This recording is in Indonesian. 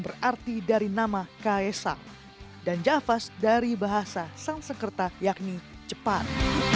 berarti dari nama kaesang dan javas dari bahasa sangsekerta yakni jepang